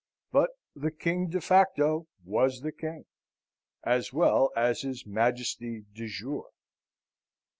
But the king de facto was the king, as well as his Majesty de jure.